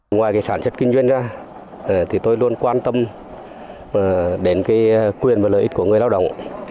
ngoài sản xuất kinh doanh ra tôi luôn quan tâm đến quyền và lợi ích của người lao động